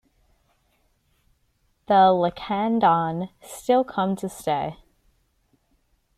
The Lacandon still come to stay.